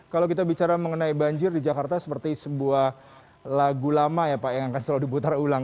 kalau kita bicara mengenai banjir di jakarta seperti sebuah lagu lama ya pak yang akan selalu diputar ulang